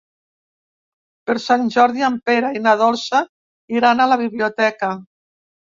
Per Sant Jordi en Pere i na Dolça iran a la biblioteca.